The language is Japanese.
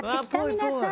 皆さん。